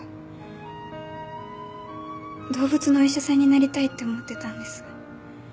動物のお医者さんになりたいって思ってたんです